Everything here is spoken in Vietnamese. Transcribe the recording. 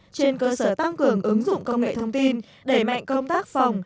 trên cơ sở tăng cường ứng dụng công nghệ thông tin đẩy mạnh công tác phòng